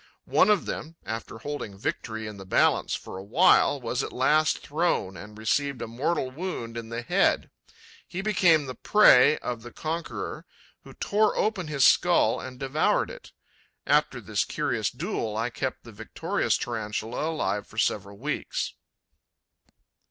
One of them, after holding victory in the balance for a while, was at last thrown and received a mortal wound in the head. He became the prey of the conqueror, who tore open his skull and devoured it. After this curious duel, I kept the victorious Tarantula alive for several weeks.'